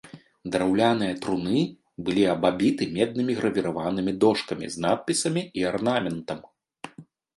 Драўляныя труны былі абабіты меднымі гравіраванымі дошкамі з надпісамі і арнаментам.